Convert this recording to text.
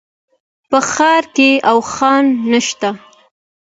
په ښار کي اوښان نشته